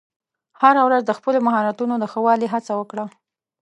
هره ورځ د خپلو مهارتونو د ښه والي هڅه وکړه.